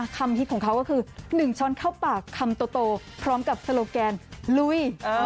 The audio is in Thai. คำที่ของเขาก็คือ๑ช้อนข้าวปากคำโตพร้อมกับสโลแกนลุ้ย